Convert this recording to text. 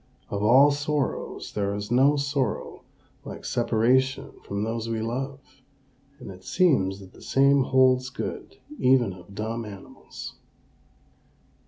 Of all sorrows there is no sorrow like separation from those we love; and it seems that the same holds good even of dumb animals.